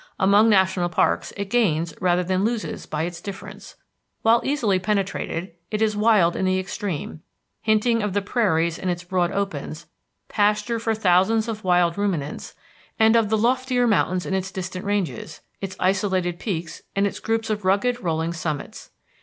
Among national parks it gains rather than loses by its difference. While easily penetrated, it is wild in the extreme, hinting of the prairies in its broad opens, pasture for thousands of wild ruminants, and of the loftier mountains in its distant ranges, its isolated peaks and its groups of rugged, rolling summits.